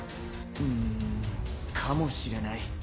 うんかもしれない。